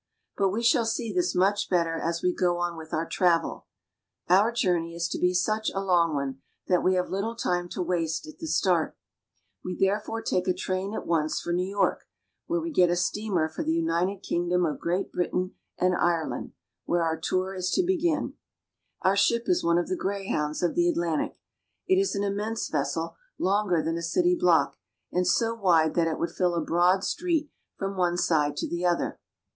But we shall see this much better as we go on with our travel. Our journey is to be such a long one, that we have little time to waste at the start. We therefore take a train at once for New York, where we get a steamer for thei United Kingdom of Great Britain and Ire A ^ e , land, where our tour is An Ocean Steamer. ' to begin. Our ship is one of the greyhounds of the Atlantic. It is an immense vessel, longer than a city block, and so wide that it would fill a broad street from one side to the other.